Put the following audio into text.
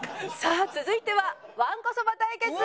さあ続いてはわんこそば対決！